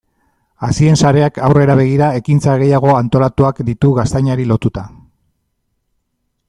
Hazien sareak aurrera begira ekintza gehiago antolatuak ditu gaztainari lotuta.